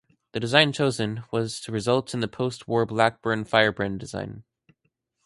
The design chosen was to result in the postwar Blackburn Firebrand design.